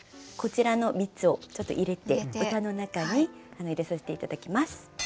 こちらの３つをちょっと入れて歌の中に入れさせて頂きます。